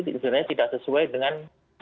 sebenarnya tidak sesuai dengan